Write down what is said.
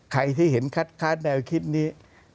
ใครที่เห็นคัดค้านแนวคิดนี้